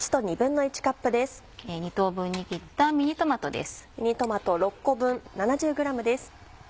２等分に切ったミニトマトです。